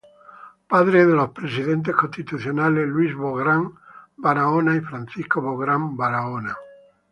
Padre de los presidentes constitucionales Luis Bográn Barahona y Francisco Bográn Barahona.